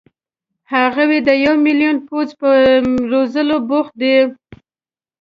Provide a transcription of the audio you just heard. هغوی د یو ملیون پوځ په روزلو بوخت دي.